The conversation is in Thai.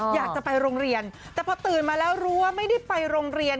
อยากจะไปโรงเรียนแต่พอตื่นมาแล้วรู้ว่าไม่ได้ไปโรงเรียน